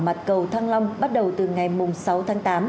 mặt cầu thăng long bắt đầu từ ngày sáu tháng tám